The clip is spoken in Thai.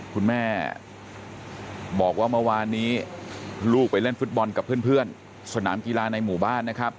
คุณแม่บอกว่าเมื่อวานนี้ลูกไปเล่นฟุตบอลกับเพื่อนสนามกีฬาในหมู่บ้านนะครับ